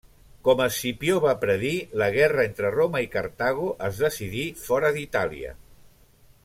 Com Escipió va predir, la guerra entre Roma i Cartago es decidí fora d'Itàlia.